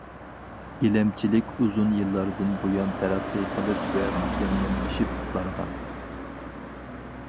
گىلەمچىلىك ئۇزۇن يىللاردىن بۇيان تەرەققىي قىلىپ ۋە مۇكەممەللىشىپ بارغان.